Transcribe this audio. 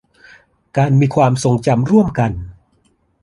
การมีความทรงจำร่วมกัน